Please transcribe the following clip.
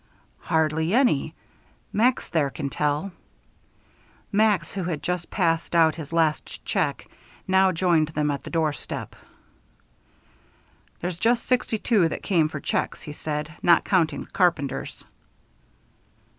"Hardly any. Max, there, can tell." Max, who had just passed out his last check, now joined them at the doorstep. "There's just sixty two that came for checks," he said, "not counting the carpenters."